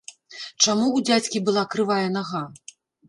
Чаму ў дзядзькі была крывая нага?